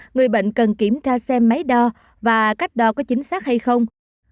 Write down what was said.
người bệnh cần kiểm tra xem máy đo và cách đo có chính xác hay không